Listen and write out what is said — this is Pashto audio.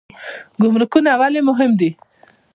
ګمرکونه ولې مهم دي؟